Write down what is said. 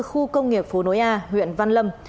khu công nghiệp phú nối a huyện văn lâm